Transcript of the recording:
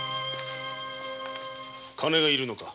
金がいるのか？